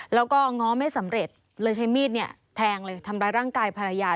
แล้วก็ง้อไม่สำเร็จเลยใช้มีดเนี่ยแทงเลยทำร้ายร่างกายภรรยา